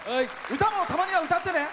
歌もたまには歌ってね。